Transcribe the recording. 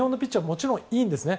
もちろんいいんですね。